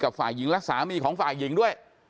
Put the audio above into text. ฝ่ายหญิงและสามีของฝ่ายหญิงด้วย